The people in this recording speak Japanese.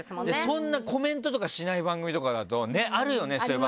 そんなコメントとかしない番組とかだとね。ありますー。